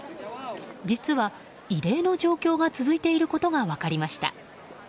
実は、異例の状況が続いていることが分かりました。